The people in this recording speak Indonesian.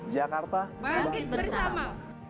jakarta bangkit bersama